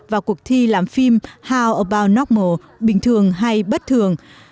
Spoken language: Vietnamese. và cuộc thi làm phim how about normal bình thường hay bất thường